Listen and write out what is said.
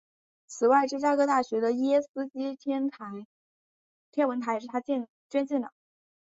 此外芝加哥大学的耶基斯天文台也是他捐建的。